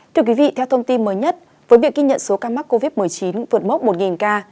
thưa quý vị theo thông tin mới nhất với việc ghi nhận số ca mắc covid một mươi chín vượt mốc một ca